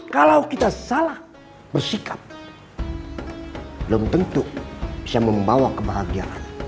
kalau kita salah bersikap belum tentu bisa membawa kebahagiaan